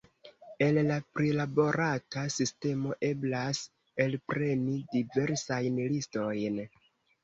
El la prilaborata sistemo eblas elpreni diversajn listojn.